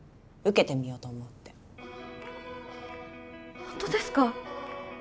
「受けてみようと思う」って本当ですか！？